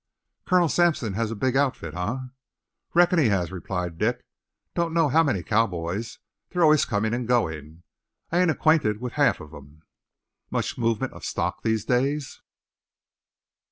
"Colonel Sampson has a big outfit, eh?" "Reckon he has," replied Dick. "Don' know how many cowboys. They're always comin' an' goin'. I ain't acquainted with half of them." "Much movement of stock these days?"